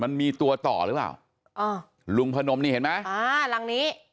มันมีตัวต่อหรือเปล่าอ่าลุงพนมนี่เห็นไหมอ่ารังนี้